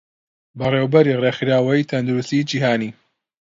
بەڕێوەبەری ڕێکخراوەی تەندروستیی جیهانی